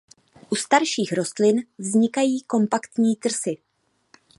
U starších rostlin vznikají kompaktní trsy.